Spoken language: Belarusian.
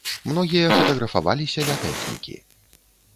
Многія фатаграфаваліся ля тэхнікі.